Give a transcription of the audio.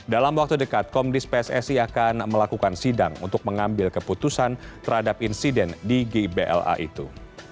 dalam waktu dekat komdis pssi akan melakukan sidang untuk mengambil keputusan terhadap insiden di gbla itu